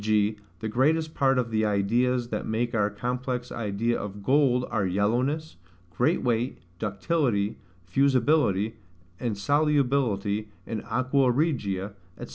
g. the greatest part of the ideas that make our complex idea of GOLD are yellowness, great weight, ductility, fusibility, and solubility in AQUA REGIA, &c.